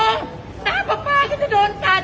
น้ำปลาปลาก็จะโดนตัน